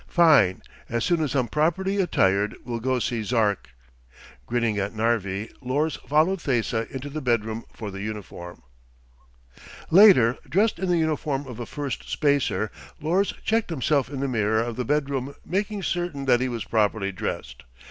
"Fine. As soon as I'm properly attired, we'll go see Zark." Grinning at Narvi, Lors followed Thesa into the bedroom for the uniform. Later, dressed in the uniform of a Firstspacer, Lors checked himself in the mirror of the bedroom making certain that he was properly dressed.